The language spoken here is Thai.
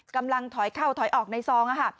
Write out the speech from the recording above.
กำลังถอยเข้าถอยออกในซอง